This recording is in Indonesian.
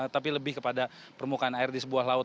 tapi lebih kepada permukaan air di sebuah laut